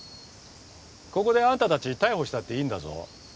ここであなたたち逮捕したっていいんだぞ。